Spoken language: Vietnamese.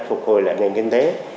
để phục hồi lại nền kinh tế